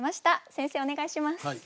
先生お願いします。